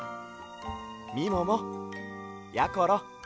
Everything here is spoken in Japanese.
みももやころ